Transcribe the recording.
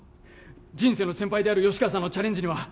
人生の先輩である吉川さんのチャレンジには